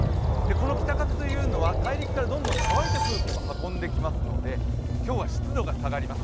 この北風というのは大陸からどんどん乾いた空気も運んできますので今日は湿度が下がります。